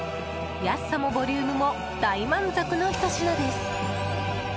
安さもボリュームも大満足のひと品です。